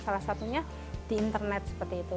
salah satunya di internet seperti itu